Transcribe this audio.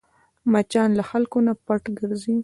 مچان له خلکو نه پټ ګرځي